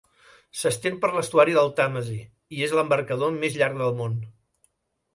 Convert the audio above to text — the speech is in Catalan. S'estén per l'estuari del Tàmesi i és l'embarcador més llarg del món.